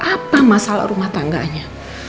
apa masalah rumah tangganya